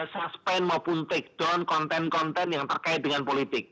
suspend maupun take down konten konten yang terkait dengan politik